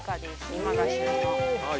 今が旬の。